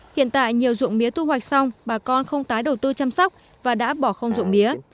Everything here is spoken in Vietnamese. hiện tại nhiều dụng mía thu hoạch xong bà con không tái đầu tư chăm sóc và đã bỏ không dụng mía